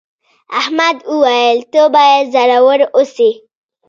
احمد وویل ته باید زړور اوسې.